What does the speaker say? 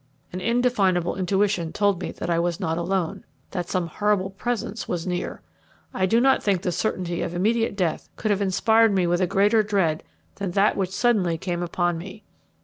An indefinable intuition told me that I was not alone that some horrible presence was near. I do not think the certainty of immediate death could have inspired me with a greater dread than that which suddenly came upon me.